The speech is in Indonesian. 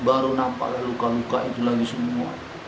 baru nampaknya luka luka itu lagi semua